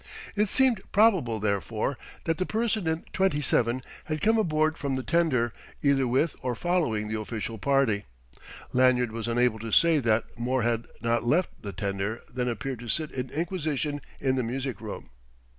It seemed probable, therefore, that the person in 27 had come aboard from the tender, either with or following the official party. Lanyard was unable to say that more had not left the tender than appeared to sit in inquisition in the music room.